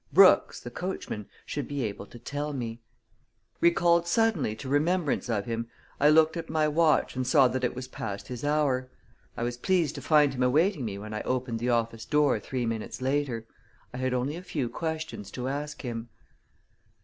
Brooks, the coachman, should be able to tell me Recalled suddenly to remembrance of him, I looked at my watch and saw that it was past his hour. I was pleased to find him awaiting me when I opened the office door three minutes later. I had only a few questions to ask him.